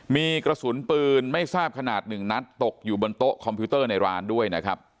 มีกระสุนปืนไม่ทราบขนาดหนึ่งนัดตกอยู่บนโต๊ะคอมพิวเตอร์ในร้านด้วยนะครับ